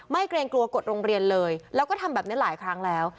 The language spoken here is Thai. เกรงกลัวกฎโรงเรียนเลยแล้วก็ทำแบบนี้หลายครั้งแล้ว